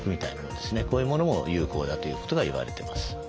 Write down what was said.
こういうものも有効だということが言われてます。